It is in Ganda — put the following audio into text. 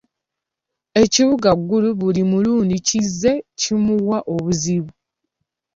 Ekibuga Gulu buli mulundi kizze kimuwa obuzibu.